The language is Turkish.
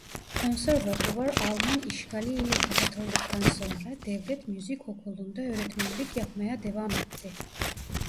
Konservatuvar Alman işgali ile kapatıldıktan sonra Devlet Müzik Okulu'nda öğretmenlik yapmaya devam etti.